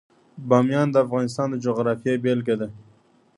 بامیان د افغانستان د جغرافیې بېلګه ده.